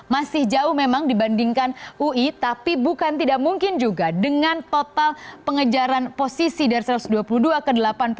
masih jauh memang dibandingkan ui tapi bukan tidak mungkin juga dengan total pengejaran posisi dari satu ratus dua puluh dua ke delapan puluh sembilan